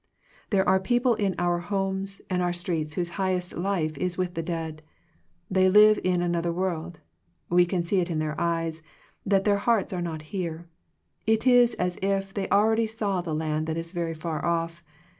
There are people in our homes and our streets whose highest life is with the dead. They live in an other world. We can see in their eyes that their hearts are not here. It is as if they already saw the land that is very far off.